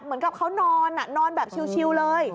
เหมือนกับเขานอนนอนแบบชิวเลย